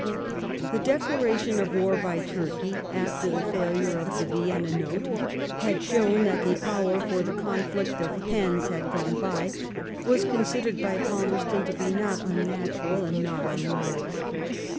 The declaration of war by Turkey, after the failure of the Vienna Note had shown that the hour for the con ^ flict of pens had gone by, was considered by Palmerston to be not unnatural and not unwise.